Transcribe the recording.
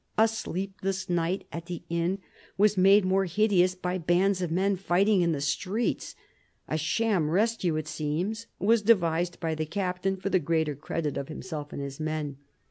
A sleepless night at the inn was made more hideous by bands of men fighting in the streets ; a sham rescue, it seems, was devised by the captain for the greater credit of himself and his men.